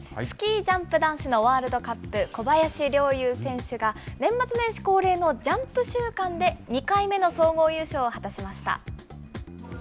スキージャンプ男子のワールドカップ、小林陵侑選手が、年末年始恒例のジャンプ週間で、２回目の総合優勝を果たしました。